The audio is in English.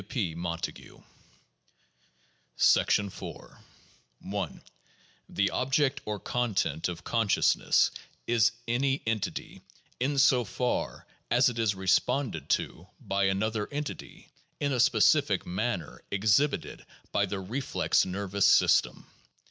W. P. Montague. IV 1. The object or content of consciousness is any entity in so far as it is responded to by another entity in a specific manner exhibited by the reflex nervous system.